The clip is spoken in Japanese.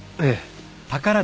ええ。